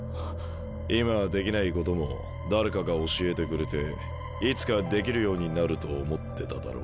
今はできないことも誰かが教えてくれていつかできるようになると思ってただろ？